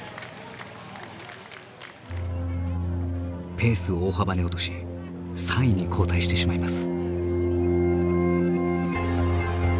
ペースを大幅に落とし３位に後退してしまいます。